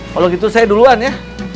kalau gitu saya duluan ya